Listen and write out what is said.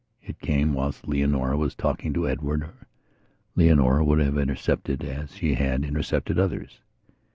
It came whilst Leonora was talking to Edward, or Leonora would have intercepted it as she had intercepted others.